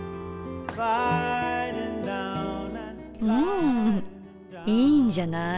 んいいんじゃない？